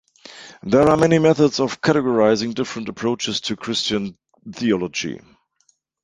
There are many methods of categorizing different approaches to Christian theology.